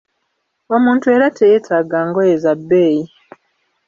Omuntu era teyetaaga ngoye za bbeeyi.